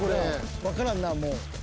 分からんなもう。